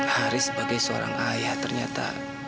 haris sebagai seorang ayah ternyata